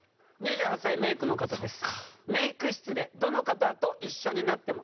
２８歳メイクの方です。